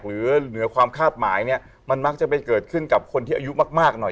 หรือเหนือความคาดหมายเนี่ยมันมักจะไปเกิดขึ้นกับคนที่อายุมากหน่อย